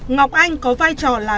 ngọc anh có vai trò là